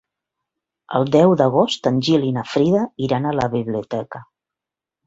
El deu d'agost en Gil i na Frida iran a la biblioteca.